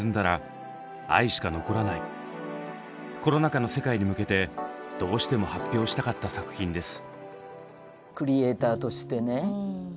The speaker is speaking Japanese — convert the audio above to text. コロナ禍の世界に向けてどうしても発表したかった作品です。